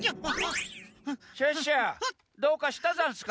シュッシュどうかしたざんすか？